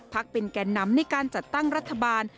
ภักรรณเป็นแกนนำในการจัดตั้งรัฐบาล